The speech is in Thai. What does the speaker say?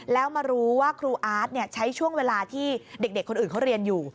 แล้วมารู้ว่าครูอาร์ตใช้ช่วงเวลาที่เด็กคนอื่นเขาเรียนอยู่